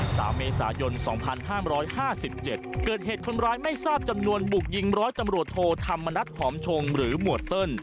ตามเมษายน๒๕๕๗เกิดเหตุคนร้ายไม่ทราบจำนวนบุกยิงร้อยตำรวจโทษธรรมนักหอมชงหรือหมวดเติ้ล